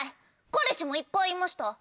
彼氏もいっぱいいました。